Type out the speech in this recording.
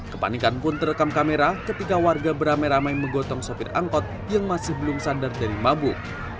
kepanikan pun terekam kamera ketika warga beramai ramai menggotong sopir angkot yang masih belum sadar dari mabuk